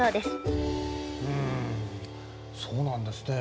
うんそうなんですね。